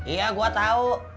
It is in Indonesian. iya gua tahu